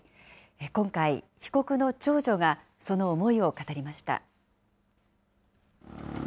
今回、被告の長女がその思いを語りました。